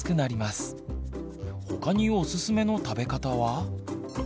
他におすすめの食べ方は。